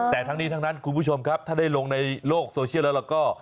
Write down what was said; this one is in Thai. แต่ทั้งนี้ทั้งนั้นคุณผู้ชมครับถ้าได้ลงในโลกโซเชียลแล้วเราก็